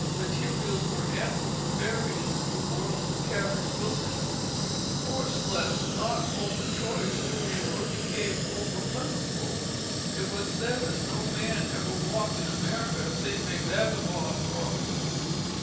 Materials were ample and varied in the New World for carriage building; horseflesh not over choice, to be sure became over plentiful; it was said that no man ever walked in America save a vagabond or a fool.